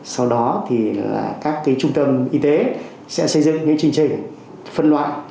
sau đó thì là các cái trung tâm y tế sẽ xây dựng những chương trình phân loại